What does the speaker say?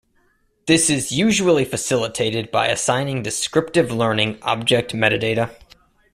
This is usually facilitated by assigning descriptive learning object metadata.